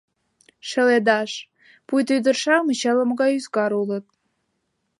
Шеледаш, пуйто ӱдыр-шамыч ала-могай ӱзгар улыт.